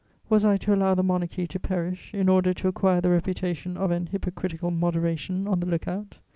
Was I to allow the Monarchy to perish, in order to acquire the reputation of an hypocritical moderation on the look out?